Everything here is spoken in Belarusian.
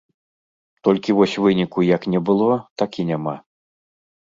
Толькі вось выніку як не было, так і няма.